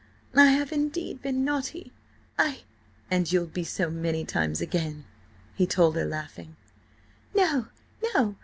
I have indeed been naughty–I—" "And you'll be so many times again," he told her, laughing. "No, no!